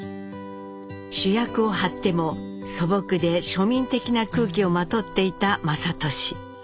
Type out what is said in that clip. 主役を張っても素朴で庶民的な空気をまとっていた雅俊。